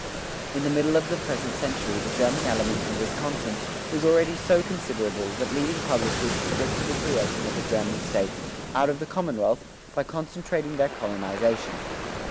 In the middle of the present century the German element in Wisconsin was already so considerable that leading publicists looked to the creation of a German state out of the commonwealth by concentrating their colonization.